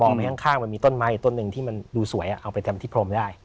ไปข้างมันมีต้นไม้อยู่ต้นหนึ่งที่มันดูสวยเอาไปทำที่พรมได้